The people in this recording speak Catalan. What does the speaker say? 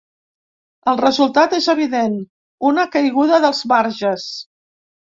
El resultat és evident: una caiguda dels marges.